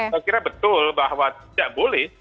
saya kira betul bahwa tidak boleh